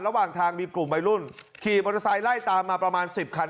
ระหว่างทางมีกลุ่มวัยรุ่นขี่มอเตอร์ไซค์ไล่ตามมาประมาณ๑๐คัน